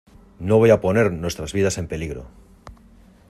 no voy a poner nuestras vidas en peligro.